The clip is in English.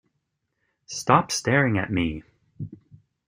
Stop Staring at Me!